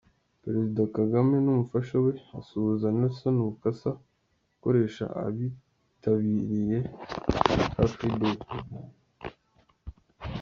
Perezida Kagame n'umufasha we asuhuza Nelson Bukasa ukoresha abitabiriya Car Free Day.